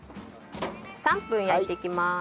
３分焼いていきます。